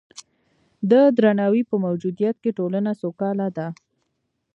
د درناوي په موجودیت کې ټولنه سوکاله ده.